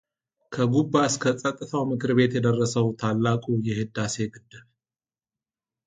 ከጉባ እስከ ፀጥታው ምክር ቤት የደረሰው ታላቁ የሕዳሴ ግድብ